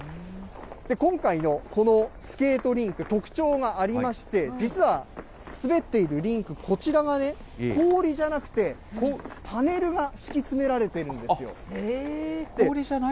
今回のこのスケートリンク、特徴がありまして、実は滑っているリンク、こちらがね、氷じゃなくて、パネルが敷き詰められているんですよ。